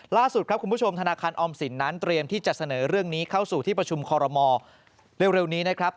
ล่าสุดครับคุณผู้ชมธนาคารออมสินนั้นเตรียมที่จะเสนอเรื่องนี้เข้าสู่ที่ประชุมคอรมอลเร็วนี้นะครับ